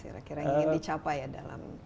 kira kira ingin dicapai dalam